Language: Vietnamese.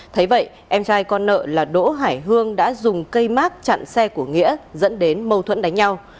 thấy vậy em trai con nợ là đỗ hải hương đã dùng cây mát chặn xe của nghĩa dẫn đến mâu thuẫn đánh nhau